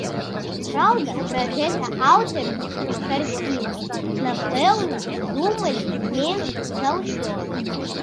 Праўда, пра гэта аўтары карціны, напэўна, думалі менш за ўсё.